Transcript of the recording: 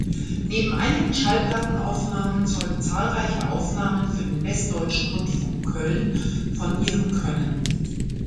Neben einigen Schallplattenaufnahmen zeugen zahlreiche Aufnahmen für den Westdeutschen Rundfunk Köln von ihrem Können.